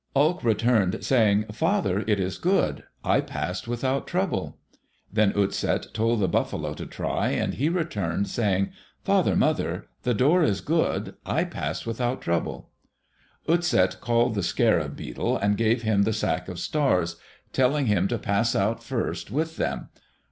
Elk returned saying, "Father, it is good. I passed without trouble." Then Utset told the buffalo to try, and he returned saying, "Father mother, the door is good. I passed without trouble." Utset called the scarab beetle and gave him the sack of stars, telling him to pass out first with them.